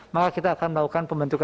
maka kita akan melakukan pembentukan